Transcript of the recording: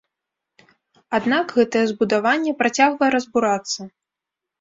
Аднак гэтае збудаванне працягвае разбурацца.